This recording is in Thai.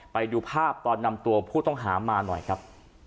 ไปดูภาพตอนนำตัวผู้ต้องหามาหน่อยครับ